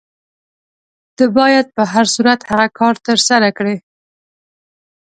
ته باید په هر صورت هغه کار ترسره کړې.